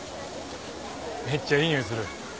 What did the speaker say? めっちゃいい匂いする。